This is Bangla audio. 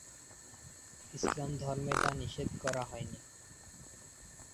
ইসলাম ধর্মে তা নিষেধ করা হয়নি।